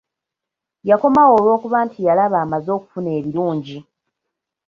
Yakomawo olw'okuba nti yalaba amaze okufuna ebirungi.